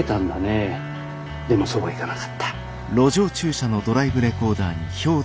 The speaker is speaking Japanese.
でもそうはいかなかった。